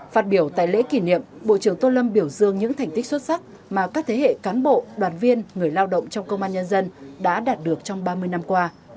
phát biểu tại lễ kỷ niệm bộ trưởng tô lâm biểu dương những thành tích xuất sắc mà các thế hệ cán bộ đoàn viên người lao động trong công an nhân dân đã đạt được trong ba mươi năm qua